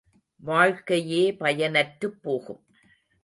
வாழ்க்கையே பயனற்றுப் போகும்.